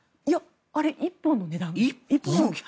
あれ１本の値段。